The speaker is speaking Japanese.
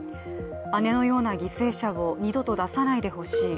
姉のような犠牲者を二度と出さないでほしい。